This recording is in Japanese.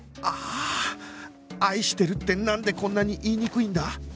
ああ「愛してる」ってなんでこんなに言いにくいんだ？